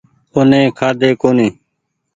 او ني کآۮي ڪونيٚ